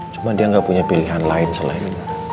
cuma dia nggak punya pilihan lain selain